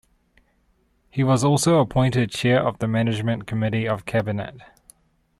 He was also appointed Chair of the Management Committee of Cabinet.